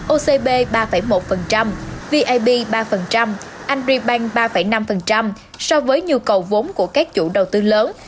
ocb ba một vip ba angribank ba năm so với nhu cầu vốn của các chủ đầu tư lớn